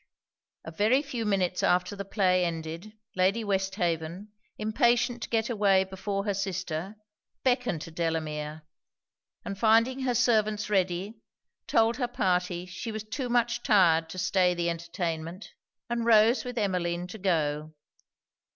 A very few minutes after the play ended, Lady Westhaven, impatient to get away before her sister, beckoned to Delamere; and finding her servants ready, told her party she was too much tired to stay the entertainment, and rose with Emmeline to go.